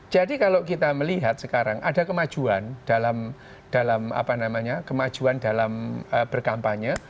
jadi kalau kita melihat sekarang ada kemajuan dalam apa namanya kemajuan dalam berkampanye